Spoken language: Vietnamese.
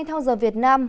theo giờ việt nam